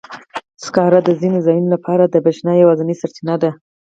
سکاره د ځینو ځایونو لپاره د برېښنا یوازینی سرچینه ده.